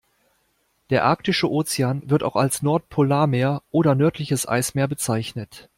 Der Arktische Ozean, wird auch als Nordpolarmeer oder nördliches Eismeer bezeichnet.